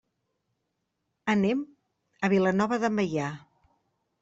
Anem a Vilanova de Meià.